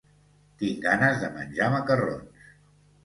Tinc ganes de menjar macarrons.